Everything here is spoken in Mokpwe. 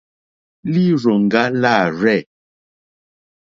Lírzòŋɡá lârzɛ̂.